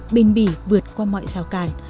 bền bỉ vượt qua mọi rào cản